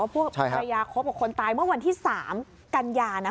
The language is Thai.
พวกภรรยาคบกับคนตายเมื่อวันที่๓กันยานะ